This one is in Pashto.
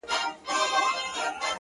شېخ سره وښورېدی زموږ ومخته کم راغی،